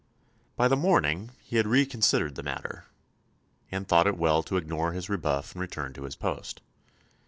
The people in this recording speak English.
By the morning he had reconsidered the matter, and thought it well to ignore his rebuff and return to his post.